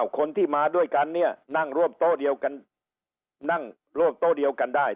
คนที่มาด้วยกันเนี่ยนั่งร่วมโต้เดียวกันได้